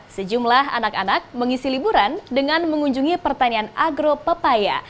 sejumlah anak anak mengisi liburan dengan mengunjungi pertanian agropepaya